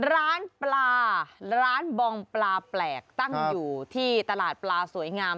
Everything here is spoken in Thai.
ร้านปลาร้านบองปลาแปลกตั้งอยู่ที่ตลาดปลาสวยงาม